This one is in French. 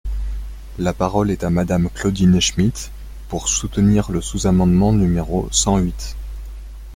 La parole est à Madame Claudine Schmid, pour soutenir le sous-amendement numéro cent huit.